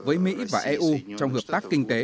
với mỹ và eu trong hợp tác kinh tế